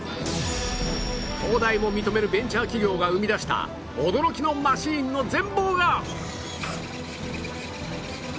東大も認めるベンチャー企業が生み出した驚きのマシーンの全貌が！